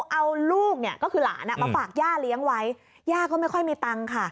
เอาลูกเนี่ยก็คือหลานมาฝากย่าเลี้ยงไว้ย่าก็ไม่ค่อยมีตังค์ค่ะ